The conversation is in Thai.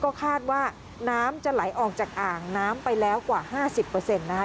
ก็คาดว่าน้ำจะไหลออกจากอ่างน้ำไปแล้วกว่า๕๐นะคะ